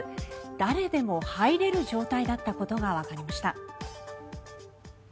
誰でも入れる状態だったことがわかりました。